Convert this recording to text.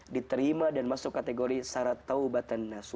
diterima dan masuk kategori syarat taubat